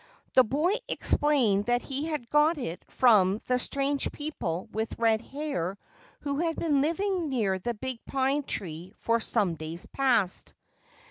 The boy explained that he had got it from the strange people with red hair who had been living near the big pine tree for some days past.